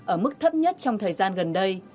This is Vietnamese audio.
ở mức thấp nhất trong thời gian gần đây